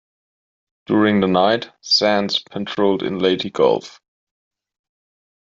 During the night, "Sands" patrolled in Leyte Gulf.